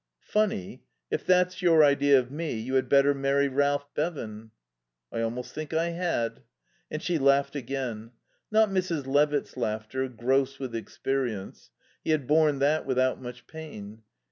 "Funny? If that's your idea of me, you had better marry Ralph Bevan." "I almost think I had." And she laughed again. Not Mrs. Levitt's laughter, gross with experience. He had borne that without much pain.